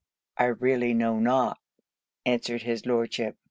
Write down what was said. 'I really know not,' answered his Lordship.